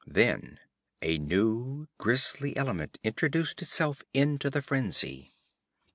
Then a new, grisly element introduced itself into the frenzy.